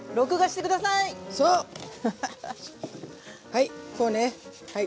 はいこうねはい。